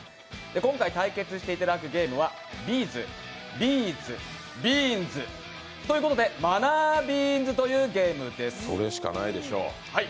今回、対決していただくゲームはＢ’ｚ、ビーズ、ビーンズということで、「マナー豆」というゲームです。